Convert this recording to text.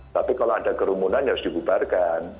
tapi kalau ada kerumunan ya harus dibubarkan